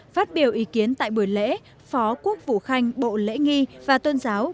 phát biểu ý kiến tại buổi lễ phó quốc vụ khanh bộ lễ nghi và tôn giáo